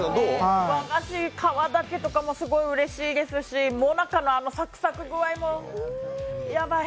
和菓子、皮だけとかもすごいうれしいですしもなかのサクサク具合もヤバい。